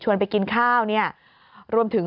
ไปกินข้าวเนี่ยรวมถึง